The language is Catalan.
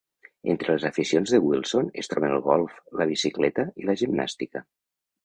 Entre les aficions de Wilson es troben el golf, la bicicleta i la gimnàstica.